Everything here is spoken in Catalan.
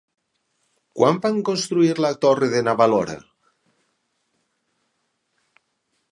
Quan van construir la torre de Na Valora?